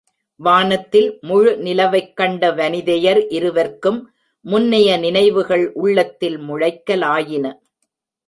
வானத்தில் முழுநிலவைக்கண்ட வனிதையர் இருவர்க்கும் முன்னைய நினைவுகள் உள்ளத்தில் முளைக்கலாயின.